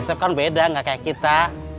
asep kan beda gak kayak kita